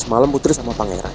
semalam putri sama pangeran